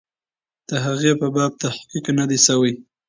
د هغې په باب تحقیق نه دی سوی.